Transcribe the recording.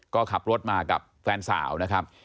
ก็ขับรถมากับแฟนสาวนะครับ